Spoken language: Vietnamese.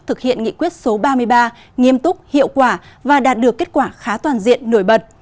thực hiện nghị quyết số ba mươi ba nghiêm túc hiệu quả và đạt được kết quả khá toàn diện nổi bật